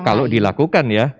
itu kalau dilakukan ya